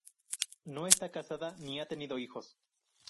No está casada ni ha tenido hijos.